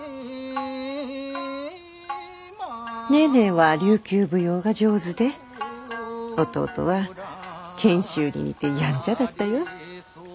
ネーネーは琉球舞踊が上手で弟は賢秀に似てやんちゃだったよ。